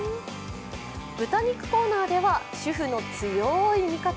豚肉コーナーでは主婦の強い味方